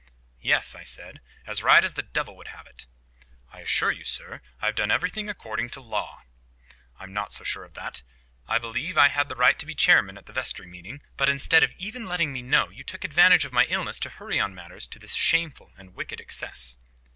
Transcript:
"Yes," I said, "as right as the devil would have it." "I assure you, sir, I have done everything according to law." "I'm not so sure of that. I believe I had the right to be chairman at the vestry meeting; but, instead of even letting me know, you took advantage of my illness to hurry on matters to this shameful and wicked excess."